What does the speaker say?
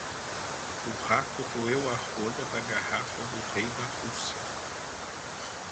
O rato roeu a rolha da garrafa do rei da Rússia.